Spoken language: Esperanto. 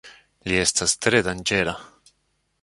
Li estas tre danĝera.